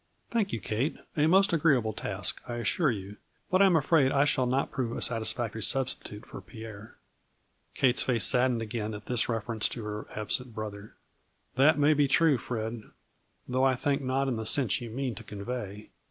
" Thank you, Kate. A most agreeable task, I assure you, but I am afraid I shall not prove a satisfactory substitute for Pierre." Kate's face saddened again at this reference to her absent brother. " That may be true, Fred, though I think not in the sense you mean to convey.